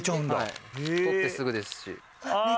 採ってすぐですし。